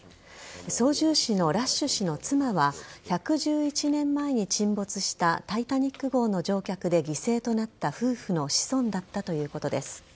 操縦士のラッシュ氏の妻は１１１年前に沈没した「タイタニック」号の乗客で犠牲となった夫婦の子孫だったということです。